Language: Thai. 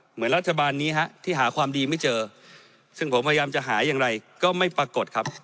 เหมือนรัฐบาลนี้ฮะที่หาความดีไม่เจอซึ่งผมพยายามจะหาอย่างไรก็ไม่ปรากฏครับ